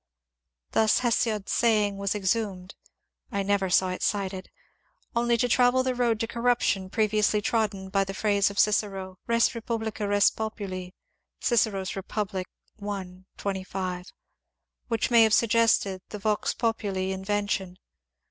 Thus Hesiod's saying was exhumed (I never saw it cited) only to travel the road to corruption pre viously trodden by the phrase of Cicero, " Res publica res populi " (Cic. Rep. i, 25), which may have suggested the Vox populi invention.